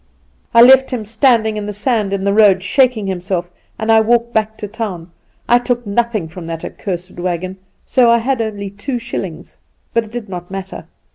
I left him standing in the sand in the road, shaking himself, and I walked back to the town. I took nothing from that accursed wagon, so I had only two shillings. But it did not matter.